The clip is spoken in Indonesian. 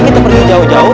kita pergi jauh jauh